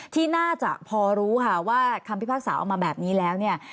ที่น่าจะพอรู้ค่ะว่าคำพิพากษาออกมาแบบนี้แล้วเนี่ย